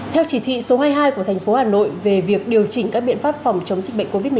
theo chỉ thị số hai mươi hai của thành phố hà nội về việc điều chỉnh các biện pháp phòng chống dịch bệnh covid một mươi chín